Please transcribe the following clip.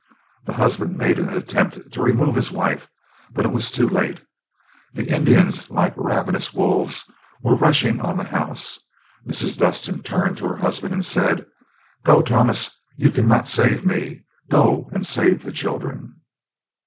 The husband made an attempt to remove his wife; but it was too late. The Indians, like ravenous wolves, were rushing on the house. Mrs. Dustin turned to her husband and said: "Go, Thomas, you cannot save me, go and save the children."